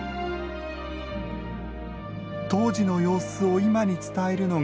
当時の様子を今に伝えるのが近代建築です。